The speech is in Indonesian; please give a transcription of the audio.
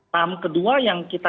sam kedua yang kita